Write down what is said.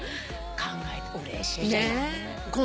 考えてうれしい。